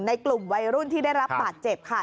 ในกลุ่มวัยรุ่นที่ได้รับบาดเจ็บค่ะ